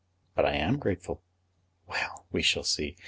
"But I am grateful." "Well; we shall see.